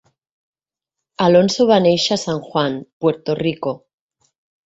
Alonso va néixer a San Juan, Puerto Rico.